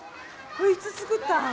これいつ作ったん？